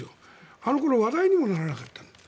あの頃、話題にもならなかった。